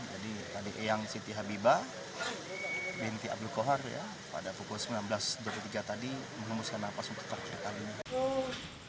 jadi adik eyang siti habibah binti abdul kohar ya pada pukul sembilan belas dua puluh tiga tadi mengumuskan apa sebetulnya